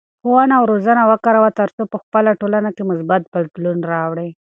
ښوونه او روزنه وکاروه ترڅو په خپله ټولنه کې مثبت بدلون راوړې.